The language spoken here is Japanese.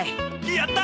やった！